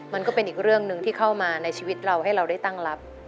มันก็เป็นอีกเรื่องหนึ่งที่เข้ามาในชีวิตเราให้เราได้ตั้งรับ